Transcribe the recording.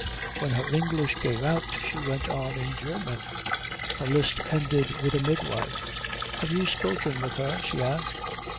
When her English gave out she went on in German. Her list ended with a midwife. "Have you spoken with her?" she asked.